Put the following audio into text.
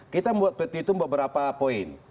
kita buat petita beberapa poin